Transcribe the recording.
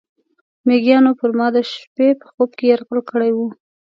میږیانو پر ما د شپې په خوب کې یرغل کړی و.